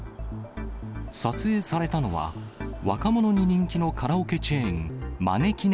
撮影されたのは、若者に人気のカラオケチェーン、まねきね